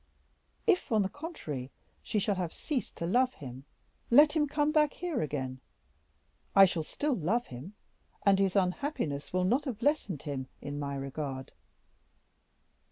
If, on the contrary, she shall have ceased to love him, let him come back here again; I shall still love him, and his unhappiness will not have lessened him in my regard.